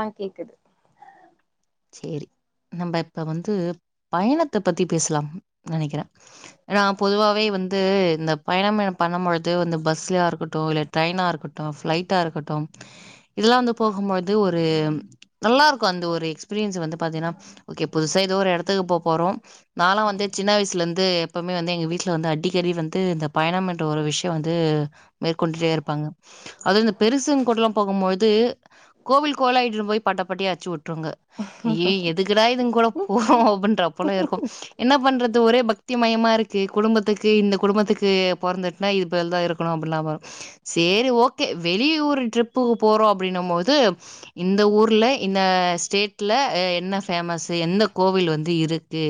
ஆ கேக்குது செரி நம்ம இப்ப வந்து பயணத்த பத்தி பேசலாம் நெனைக்கிறே ஏன்னா பொதுவாவே வந்து இந்த பயணம் பண்ணு பொழுது வந்து பஸ்லயா யிருக்கட்டு யில்ல ட்ரெய்னா யிருகட்டு ஃப்ளைட்டா யிருகட்டு இதல்லா வந்து போகுபோது ஒரு நல்லாயிருக்கு அந்த ஒரு எக்ஸ் பிரியஸ் வந்து பாத்திங்கனாஓக்கே புதுசா ஏதோ ஒரு எடது த்துக்கு போ போறோ நாலா வந்து சின்ன வயசுல யிருந்து எப்பவுமே வந்து எங்க வீட்டுல வந்து அடிக்கடி வந்து இந்த பயணம் என்ற ஒரு விஷயம் வந்து மேற்கொண்டுட்டே இருப்பாங்க அது இந்த பெருசுங்க கூடலா போகுபோது கோவில் கோவிலா இட்ன்னு போய் பட்டைப்பட்டையா அச்சு வுட்டுருங்க ய் எதுகுடா இதுங்க கூட போறோ ம் ம் அப்டின்ற அப்போலா இருக்கு என்ன பண்றது ஒரே பக்தி மயமா இருக்கு குடும்பத்துக்கு இந்த குடும்பத்துக்கு பொறந்துட்னா இதுபோல தா இருக்கணு அப்படின்ல்லா செரி ஓகே வெளியூர் ட்ரிப்புக்கு போறோ அப்படின்ன போது இந்த ஊர்ல இந்த ஸ்டேட் ட்ல என்ன ஃபேமஸு எந்த கோவில் வந்து இருக்கு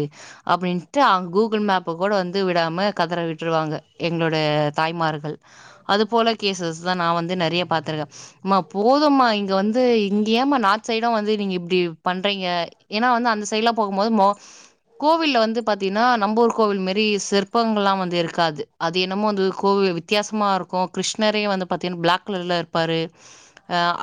அப்டின்ட்டு அவங்க கூகுள் மேப்ப கூட வந்து விடாம கதற விட்டுருவாங்க எங்களோட தாய்மார்கள் அது போல கேசஸ் தா நான் வந்து நிறைய பா்த்திருக்கே அம்மா போதுமா இங்க வந்து இங்கயமா நார்த் சைட் வந்து நீங்க இப்டி பண்றீங்க ஏன்னா வந்து அந்த சைடு்லா போகும்போது ம கோவில்ல வந்து பாரத்தீங்கன்னா நம்பூர் கோவில் மாரி சிற்பங்கள் எலாம் வந்து இருக்காது அது என்னமோ வந்து கோவில் வித்தியாசமா இருக்கு கிருஷ்ணரே வந்து பார்த்தீங்கன்னா பிளாக் கலர்ல இருப்பாரு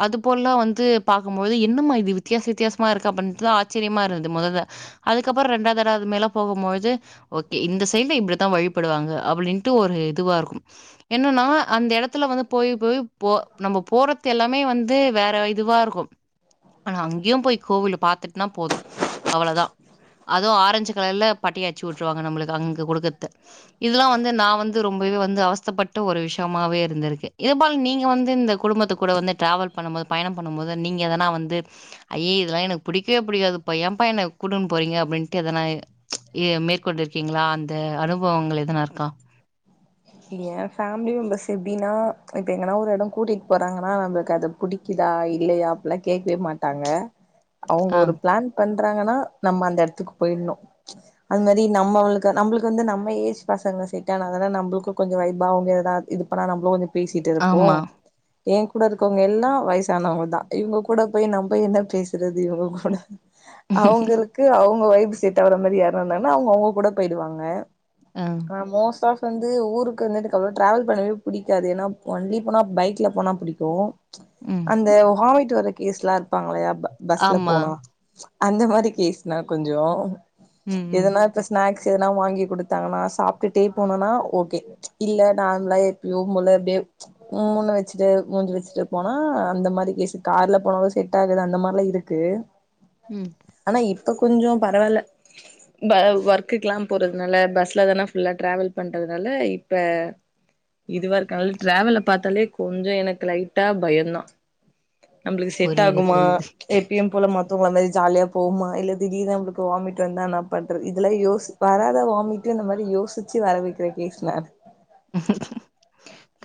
அது போலலா வந்து பார்கும்போது என்னமா இது வித்தியாச வித்தியாச பா இருக்கு அப்பன்ட்டுதா ஆச்சரியமா இருந்து மொதல்ல அதுக்கப்பற ரெண்டாவ தடவ அது மேல போகும்போது ஓகே இந்த சைடு்ல இப்டித்தா வழிபடுவாங்க அப்டின்ட்டு ஒரு இதுவா இருக்கும் என்னன்னா அந்த எடத்துல வந்து போய் போய் போ நம்ப போறத் எல்லாமே வந் து வேற இதுவா இருக்கு ஆனா அங்யும் போய் கோவில பாத்துட்னா போது அவ்வளதா அதுவு ஆரஞ்சு கலர்ல பட்டியாச்சு வுட்ருவாங்க நம்மளுக்கு அங்க கொடுக்கற்த இதெல்லா வந்து நா வந்து ரொம்பவே வந்து அவஸ்தப்பட்ட ஒரு விஷ்யமாவே இருந்துருக்கு இதுபோல நீங்க வந்து இந்த குடும்பத்துக் கூட வந்து டிராவல் பண்ணும்போ பயணம் பண்ணும்போது நீங்க எதனா வந்து ஐய இதெல்லா எனக்கு புடிக்கவே புடிக்காதுப்பா ஏம்ப்பா என்ன கூட்டுன் போறீங்க அப்டின்ட்டு எதனா எ மேற்கொண்டாருக்கீங்ளா அந்த அனுபவங்கள் எதனா இருக்கா? ஏ ஃபேமிலி மெம்பர்ஸ் எப்டின்னா இப்ப எங்கனா ஒரு எடொ கூட்டிட் போறாங்கனா நம்ளுக்கு அது புடிக்குதா இல்லயா அப்புல்லா கேக்கவே மாட்டாங்க அவுங்க ஆ. ஒரு பிளான் பண் றாங்கனா நம்ம அந்த எடத்துக்கு போயிட்னு அது மாரி நம்ம அவளுக்கு நம்ளுக்கு வந்து நம்ம ஏஜ் பசங்க செட்டான தான நம்பள் க்கு கொஞ்ச இதா அவுங்க எதா இது பண்ணா நம்ளு வந்து பேசிட்டுருப்போ ஆமா. ஏ கூட இருக்கவுங்க எல்லா வயசானவுங்க தா இவுங்க கூட போய் நம்ம என்ன பேசுறது இவுங் கூட அவுங்களுக்கு அவு வுங்க வைபு செட்டாவுற மாரி யாரு இருந்தாங்கனா அவுங்க அவுங்க கூட போயிடுவாங்க ஆ மோஸ்டா கு ஊருக்கு வந்ததுக்கப்புறொ டிராவல் பண்ணவே பிடிக்காது என்னா ஒன்லி போனா பைக்ல போனா புடிக்கு ம். அந்த ஹாமிட் டு‌ வர கேஸ்லா இருப்பாங்களயா ப பஸ்ல ஆமா. போனா அந்த மாரி கேஸ் நா கொஞ்சொ ம், ம். எதனா இப்ப ஸ்நாக் ஸ் எதனா வாங்கி குடுத்தாங்கனா சாப்டுட்டே போனொனா ஓகே இல்ல நார்மலா எப்பயு போல அப்டியே உம்முனு வச்சுட்டு மூஞ்சு வச்சுட்டு போனா அந்த மாரி கேஸு கார்ல போனாலு செட் ஆகாது அந்த மார்லா இருக்கு ம் ப கொஞ்சொ பரவால்ல ப ஒர்க்குக்கெல்லா போறதுனால பஸ்ல தான ஃபுல்லா டிராவல் பண் றதுனால இப்ப இதுவா இருக்க அனால டிராவல பாத்தாலே கொஞ்ச எனக்கு லைட்டா பயந்தா நம்ளுக்கு செட் புரியுது, ஆகுமா புரியுது. எப்பயும் போல மத்தவுங்கள மாரி ஜாலியா போவமா இல்ல திடீர்னு நம்ளுக்கு வாமிட் வந்தா என்ன பண்றது இதெல்லா யோசி வராத வாமிட்டு இந்த மாரி யோசிச்சு வர வ [unintelligible]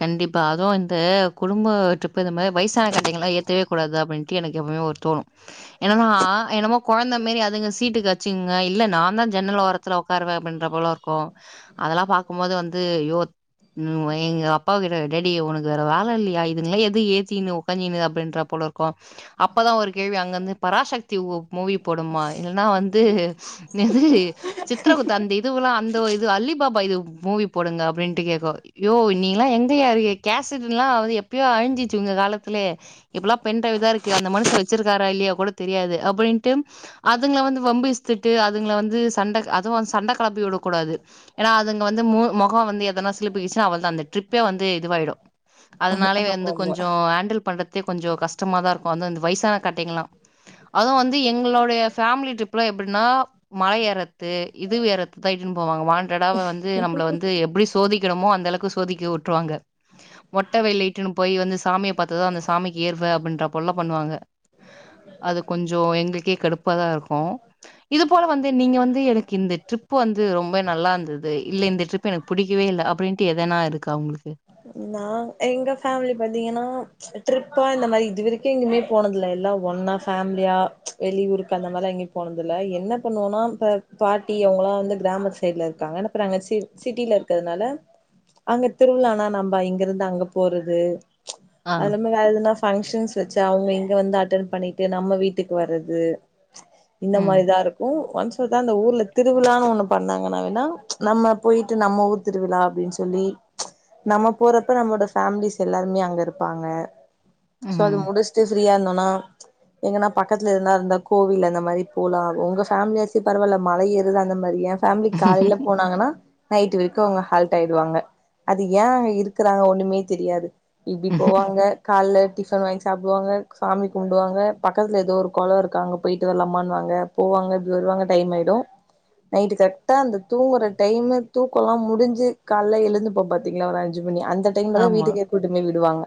கண்டிப்பா அதுவு இந்த குடும்ப ட்ரிப்பு இந்த மாரி வயசான கட்டைங்களா ஏத்தவே கூடாது அப்டின்ட்டு எனக்கு எப்பவுமே ஒரு தோணு என்னனா என்னமோ கொழந்த மாரி அதுங்க சீட்டுக்கு அச்சுகுங்க இல்ல நாந்தா ஜன்னல் ஓரத்துல ஓக்காருவே அப்டின்ற போல இருக்கு அதெல்லா பாக்கு போது வந்து. ஐய்யோ ம் எங் அப் அப்பா கிட்ட டேடி உனக்கு வேற வேல இல்லையா இதுங்களா எது ஏத்தின்னு ஓக்காஞ்சின்னுு அப்டின்ற போல இருக்கு அப்பதா ஒரு கேள்வி அங்கிருந்து பராசக்தி ஓம் மூவி போடும்பா இல்லன்னா வந்து இது சித்திரகுத்த அந்த இதுவல்லா அந்த இது அல்லி பாபா இது மூவி போடுங்க அப்டின்ட்டு கேட்கோ அய்யோ நீ ல்லா எங்கேயா இருக்கு கேசிடல்லா. வந்து எப்பயோ அழிஞ்சிச்சு உங்க காலத்துலே இப்பல்லா பென் ட்ரைவ்தா இருக்கு அந்த மனுஷ வச்சிருக்காரா இல்லையா கூட தெரியாது அப்டின்ட்டும் அதுங்கலா வந்து வம்புஸ்த்துட்டு அதுங்கலா வந்து சண்ட அ அதுவு சண்ட கெளப்பிவிடும் கூடாது ஏன அதுங்க வந்து மொ மொகம் வந்து எதன சிலிப்புச்ச அவள்தா அந்த ட்ரிப் ந்து இதுவாயிடு அதனாலே ஆமா வந்து ஆமா கொஞ்ச ஹேண்டில் பண்றதே கொஞ்ச கஷ்டமா தா இருக்கு அந்தந்த வயசான கட்டைங்கல்லா அதுவு வந்து எங் எங்களுடைய ஃபேமிலி ட்ரிப்ல எப்டின்னா மலை ஏறது இது இதுவ் வேற தா இட்டுன்னு. போவாங்க வாண்ட்டடா வந்து நம்பல வந்து எப்டி சோதிக்கறமோ அந்த அளவுக் சோதிக்கவு ட் ட்டுறுவாங்க மொட்ட வெயில்லா இட்டுன்னு போய் வந்து சாமியா பாத்துதா சாமிக்கு ஏர்வ அப்டின்ற போலல்லா பண்ணுவாங்க அது கொஞ்ச எங்களுக்கே கடுப்ப தா இருக்கோ இது போல வந்து நீங்க வந்து எனக்கு இந்த ட்ரிப்பு வந்து ரொம்ப நல்லா இருந்தது இ இல்ல இந்த ட்ரிப்பு எனக்கு புடிக்கவே இல்ல அப்டின்ட்டு எதனா இருக்கா உங்களுக்கு [unintelligible] நா எங்க ஃபேமிலி பாத்தீங்கன்னா ட்ரிப்பா இந்த மாரி இதுவரைக்கு எங்கயுமே போனதில்லா எல்லா ஒன்னா ஃபேமிலியா வெளியூருக்கு அந்த மாறி லா எங்கயு போனதில்ல என்ன பண்ணுவோம்னா இப்ப பாட்டி அவுங்களாம் வந்து கிராம சைடுல இருக்காங்கற அங்க சிட்டியல இருக்கறதுனால அங்க திருவிழானா நம்ப இங்கிருந்து அங்க போறது ஆ அதுலா ம வேற எதுனா ஸ் பங்க்ஷன்ஸ் வச்சு அவுங்க இங்க வந்து அட்டன் பண்ணிட்டு நம்ம வீட்டுக்கு வறது இந்த ம் மாரிதா இருக்கு ஒன்ஸ் தா இந்த ஊர்ல திருவிழானு ஒண்ணு பண்ணாங்கன்னான்ன நம்ம போயிட்டு நம்ம ஊர் திருவிழா அப்டின் சொல்லி நம்ம போறப்ப நம்மோட ஃபேமிலிஸ் எல்லாருமே அங்க இருப்பாங்க சோ அது ம் முடிஷ்ட்டு ஃப்ரீயா இருந்தன்னா எங்கனா பக்கத்துல இருந்தா இருந்தா கோவில் அந்த மாரி போலா உங்க ஃபேமிலி ஆச்சு பரவால்ல மலை ஏறது அந்த மாரி எ ஃபேமிலி காலையல போனாங்கன்னா நைட்டு வரைக்கு அவுங்க ஹால்ட் ஆயிடுவாங்க அது ஏ இருக்கறாங்க ஒண்ணுமே தெரியாது இப்டி போவாங்க கால்ல டிஃபன் வாங்கி சாப்டுவாங்க சாமி கும்புடுவாங்க பக்கத்துல ஏதோ ஒரு கொள இருக்கா அங்க போயிட்டு வரலம்மான் வாங்க போவாங்க இப்டி வருவாங்க டைம் ஆயிடு நைட்டு கரெட்டா அந்த தூங்குற டைம்மு தூக்கல்லா முடிஞ்சு காலைல எழுந்து போ பத் ங்களா ஒரு அஞ்சு மணி அந்த டைம்ல தா ஆமா வீட்டுக்கே கூட்டுப்போய் விடுவாங்க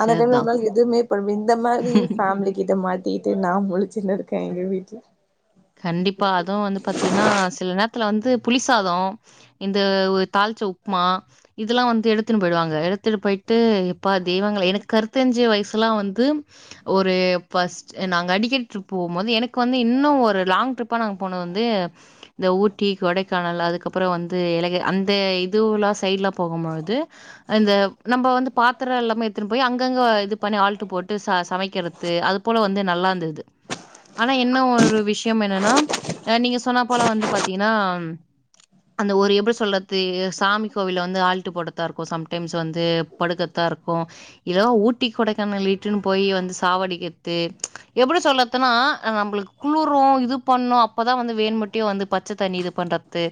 அந்த டைம்ல சேர்தா நம்மளால எதுமே பண் இந்த மாரி ஃபேமிலி கிட்ட மாட் த்தீட்டு நா முழுச்சுன்னு இருக்க எங்க வீட்ல கண்டிப்பா அதுவு வந்து பாத்தீங்கன்னா சில நேர் த்துல வந்து புளிசாதோம் இந்த ஒர் தாளுச்ச உப்மா இதெல்லா வந்து எடுத்துன்னு போயிடுவாங்க எடுத்துட்டு போயிட்டு இப்ப தெய்வங்கள எனக்கு கருத்தஞ்சு வயிசுலா வந்து ஒரு ஃபஸ்ட் நாங்க அடிக்கடி டிரிப் போகும் போது எனக்கு வந்து இன்னு ஒரு லாங் டிரிப்பா நாங் போனது வந்து இந்த ஊட்டி கொடைக்கானல் அதுக்கப்புறோ வந்து ஏலகி அந்த இதுவுல்லா சைடுல்லா போகும் போது இந்த நம்ப வந்து பாத்துரோ எல்லாமே எடுத்துன்னு போய் அங்கங்க இது பண்ணி ஆல்ட்டு போட்டு ச சமைக்கிறது அது போல வந்து நல்லா இருந்தது ஆனா என்ன ஒரு விஷ் விஷ்யோ என்னன்னா நீங்க சொன்னா போல வந்து பாத்தீங்கன்னா அந்த ஒரு எப்புடி சொல்றது சாமி கோவில் வந்து ஆல்ட்டு போட்டுத்தா இருக்கு சம் டைம்ஸ் வந்து படுக்கத்தா இருக்கு இல்ல ஊட்டி கொடைக்கானல் இட்டுன்னு போயி வந்து சாவடிக்கிறது எப்புடி சொல்றதுன்னா அ நம்பளுக்கு குழு இது பண்ணு அப்பதா வந்து வேன்மட்டியு வந்து பச்ச தண்ணி இது பண்றது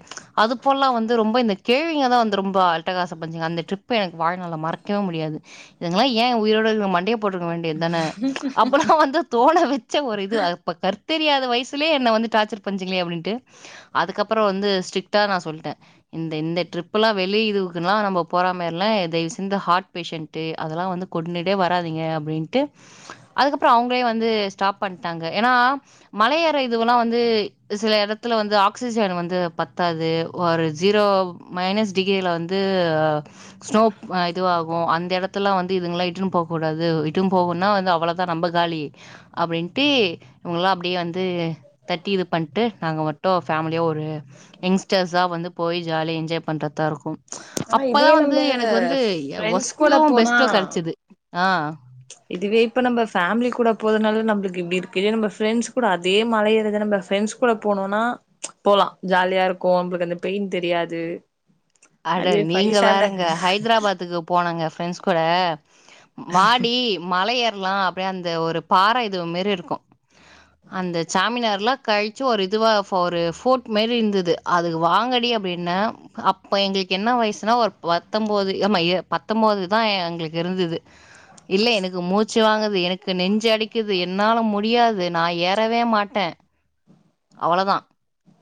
அது போல வந்து ரொம்ப இந்த கேள்விங்கதா வந்து ரொம்பா அட்டகாச பஞ்சிங் அந்த டிரிப்பு எனக்கு வாழ்நால்ல மறக்கவே முடியாது இதுங்கல்லா ஏ உயிரோட இருக்கு மண்டைய போட்ருக்க வேண் டிதான அப்பல்லா வந்து தோன வெச்ச ஒரு இது அப்ப கருத்தே அந்த வயிசுலயே என்ன வந்து டார்ச்சர் பண்ணுச்சுங்களே அப்டின்ட்டு அதுக்கப்புறோ வந்து ஸ்டிக்ட்டா நா சொல்லிட்ட இந்த இந்த டிரிப் எல்லா வெளிய ஊருக்குன்லா நாம்ப போற மாரி எல்லா தயிவுசெஞ்து ஹார்ட் பேசண்ட்டு அதெல்லா வந்து கொண்டுடே வராதிங்க அப்டின்டு அதுக்கப்புறோ அவுங்களே வந்து ஸ்டாப் பண்ட்டாங்க ஏன்னா மலையேற இதுவெல்லா வந்து சில எடத்துல வந்து ஆக்சிஜன் வந்து பத்தாது ஒரு ஜீரோ மைனஸ் டிகிரியில வந்து ஸ்னோ இதுவாகு அந்த எடத்துல வந்து இதுங்கல்லா இட்டுன்னு போகக்கூடாது இட்டுன்னு போகுன்னா வந்து அவ்வளோதா நம்ப காலி அப்டின்ட்டு இவங்கல்லா அப் அப்டியே வந்து தேர்ட்டி இது பண்ட்டு நாங்க மட்டு ஃபேமிலியா ஒரு எங்ஸ்டர்சா வந்து போய் ஜாலியா என்ஜாய் பண்றதா இருக்கு ஆ அப்பதா இதுவே வந்து நம்ப எனக்கு வந்து ஃப்ரெண்ட்ஸ் கூட ஒஸ்ட்டு போனா பெஸ்ட்டு கெடைச்சுது ஆ இதுவே இப்ப நம்ப ஃபேமிலி கூட போறதுனால நம்மளுக்கு இப்டி இருக்கு இல்ல நம்ப ஃப்ரெண்ட்ஸ் கூட அதே மலையேறத நம்ப ஃப்ரெண்ட்ஸ் கூட போனோன்னா போலா ஜாலியா இருக்கு நம்பளுக்கு அந்த பெயின் தெரியாது அட அதுவே ஃபைவ் நீங்க ஸ்டாண்டர்ட் வேறங்க ஹைதராபாத்துக்கு போனங்க ஃப்ரெண்ட்ஸ் கூட வாடி மலையேற் ல்லா அப்டியே அந்த ஒரு பாற இது மேறி இருக்கு அந்த சாமினார்லா கழுச்சு ஒரு இதுவா ஒரு ஃபோட் மாறி இருந்தது அதுக்கு வாங்கடி அப்டின்ன அப் இப்போ எங்களுக்கு என்ன வயிசுனா ஒரு பத்தொன்பது ஆமா பத்தொம்பதுதா எங்களுக்கு இருந்துது இல்ல எனக்கு மூச் து வாங்கது எனக் எனக்கு நெஞ்சு அடைக்குது என்னால முடியாது நா ஏறவே மாட்ட அவ்வளோதா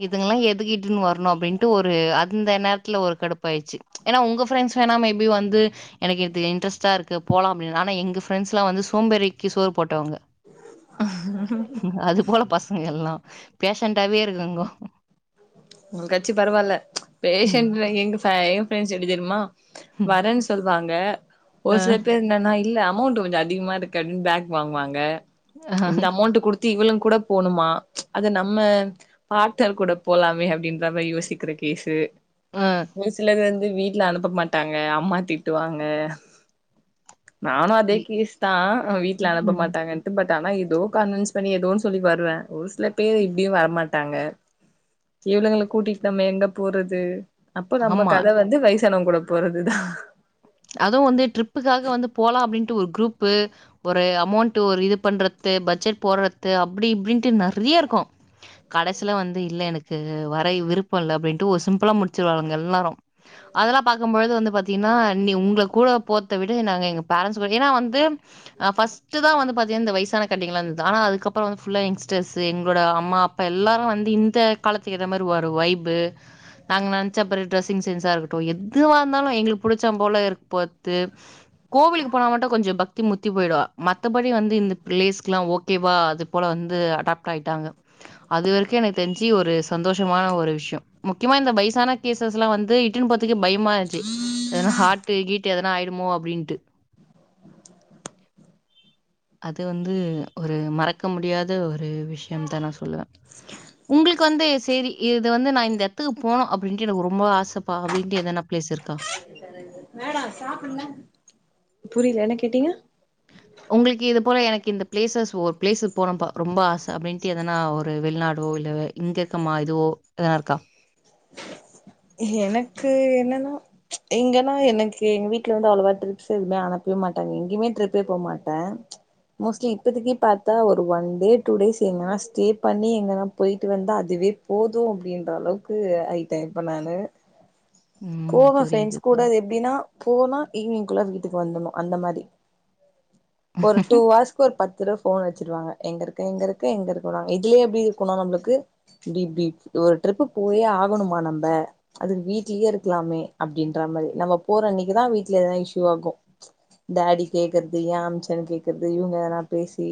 இதுங்கெல்லா எதுக் இருக் த்துன் வர்ணு அப்டின்ட்டு ஒரு அந்த நேரத்துல ஒரு கடுப்பு ஆயிருச்சு ஏன்னா உங்க ஃப்ரெண்ட்ஸ் வேணா மேபி வந்து எனக்கு இது இன்ட்ரஸ்டா இருக்கு போலா அப்டின்ன ஆனா எங்க ஃப்ரண்ட்ஸ்லா வந்து சோம்பேறிக்கு சோறு போட்டவங்க அது போல பசங்க எல்லா பேஷண்டடாவே இருக்குங்கோ உங்க கச்சி பரவால்ல ம். பேஷன்ட் எங்க பே ஃப்ரெண்ட்ஸ் எப்டி தெரியுமா ம். வரன் சொல்வாங் ங்க அ, ஒரு சில பேர் என்னன்னா இல்ல அம் அமௌண்ட் கொஞ்சோ அதிகமாக இருக்கு அப்டினு பேக் வாங்குவாங்க இந்த அ, அமௌண்ட் குடுத்து இவளு கூட போணுமா அத நம்ம பாட்னர் கூட போலாமே அப்டின்ற மாரி யோசிக்ற கேஸு அ. ஒரு சிலது வந்து வ வீட்ல அனுப்ப மாட்டாங்க அம்மா திட்டுவாங்க நானு அதே இ கேஸ் தா வீட்ல அனுப்ப ம். மாட்டாங்கன்ட்டு பட் டான ஏதோ கன்வின்ஸ் பண்ணி ஏதோன்னு சொல்லி வருவ ஒரு சில பேர் இப்டியு வரமாட்டாங்க இவுலங்கள கூட்டிட்டு நம்ம எங்க போறது அப்போ நம்ம ஆமா. கத வந்து வயசு [unintelligible] கூட போறதுதா அதுவு வந்து டரிப்புக்காக வந்து போலா அப்டின் டு ஒரு குரூபு ஒரு அமௌண்ட் ஒரு இது பண்றது பட்ஜெட் போட்றத்து அப்டி இப்டின்டு நெறய இருக்கோ கடசில வந்து இல்ல எனக்கு வர விருப்ப இல்ல அப்டின் டு சிம்பிளா முடிச்சிருவாங்க எல்லாரு அதெல்லா பாக்குபொழுது வந்து பாத்தீங்கன்னா நீ உங்க கூட போர்த விட நாங்க எங்க பேரன்ஸ் வழினா வந்து அ ஃபர்ஸ் தா வந்து பாத்தீங் இந்த வயசான கட்டைங்கலா இருந்தது ஆனா அதுகப்புறோ ஃபுல்லா யாங்ஸ்டர்ஸ் எங்களோட அம்மா அப்பா எல்லாரு வந்து இந்த காலத்துக்கு ஏத்த மாரி ஒரு வைபு நாங்க நெனச்ச அப்புறோ ட்ரெசிங் சென்ஸ் இருக்கட்டு எதுவா இருந்தாலு எங்களுக்கு புடி ச்சபோல [unintelligible] கோவிலுக்கு போனா மட்டு கொஞ்ச பக்தி முத்தி போயிடு மத்தபடி வந்து இந்த பிளேஸ்க்குலா ஓகேவா அது போலா வந்து அடாப்டாயிட்டாங்க அது வரைக்கு எனக்கு தெரிஞ்சி ஒரு சந்தோஷமான ஒரு விஷய முக்கியமா இந்த வயசானா கேஸ்ஸஸ்லா வந்து இட்டுனு போரத்துக்கே பய மாஜி எதனா ஹாட்டு கீட்டு எதனா ஆயி டுமோ அப்டின்ட்டு அது வந்து ஒரு மறக்க முடியாத ஒரு விஷயந்தா நா சொல்லுவ உங்களுக்கு வந்து சேரி இது வந்து நா இந்த எடத்துக்கு போனோ அப்டின்ட்டு எனக்கு ரொம்ப ஆசப்பா அப்டின்ட்டு எதென்னா பிளேஸ் இருக்கா மேடோ சாப்டல்லா புரியல என்ன கேட்டீங்க ஒங்களுக்கு இது போல எனக் இந்த பிளேசஸ் ஒரு பிளேஸ் போனும்ப்பா ரொம்ப ஆச அப்டின்ட்டு எதனா ஒரு வெளிநாடோ இல்ல இங்க இருக்கமா எதோ எதனா இருக்கா எனக்கு என்னன்னா எங்கனா எனக்கு எங்க வீட்ல வந்து அவ்ளவா ட்ரிப்ஸ் எதுவுமே அனுப்பவே மாட்டாங்க எங்கயுமே ட்ரிப்பே போக மாட்டே மோஸ்ட்லி இப்பதக்கி பாத்தா ஒரு ஒன் டே டூ டேஸ் எங்கனா ஸ்டே பண்ணி எங்கனா போயிட்டு வந்தா அதுவே போது அப்டின்ற அளவுக்கு ஆயிட்ட இப்ப நானு ம். போவ புரியுது, ஃப்ரெண்ட்ஸ் கூட புரியுது. அது எப்டினா போனா ஈவ்னிங்குள்ள வீ ட்டுக்கு வந்துண்ணோ அந்த மாரி ஒரு டூ ஆர்ஸ்க்கு ஒரு பத் துதரவ போன் அடுச்சிடுவாங்க எங்க இருக்க-எங்க இருக்க-எங்க இருங்க இதுலே எப்டி இருக்கோணா நம்மளுக்கு இப்டி-இப்டி ஒரு ட்ரிப் போயே ஆகணுமா நா ம அதுக்கு வீட்லியே இருக்கலாமே அப்டின்ற மாரி நம்ம போற அன்னிக்குதா வீட்ல எதனா இஷுவா ஆகு டாடி கேக்குறது யா அம்ச்சன் கேக்குறது இவுங்க எதனா பேசி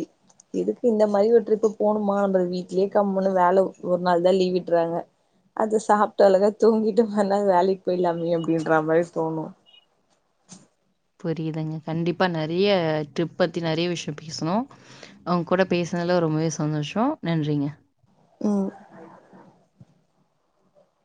எதுக்கு இந்த மாரி ஒரு ட்ரிப்பு போணுமா வீட்லியே கம்முனு வேல ஒரு நாள் தா லீவிட்டுறாங்க அத சா ட்டு அழகா தூங்கிட்டு மறுநாள் வேலைக்கு போய்ல்லாமே அப்பிடின்ற மாரி தோணு புரியுதுங்க கண்டிப்பா நெறைய ட்ரிப் பத்தி நெறைய விஷ்யோ பேசணு அவுங்க கூட பேசனல ரொம்பவே சந்தோஷோ நன்றிங்க ம்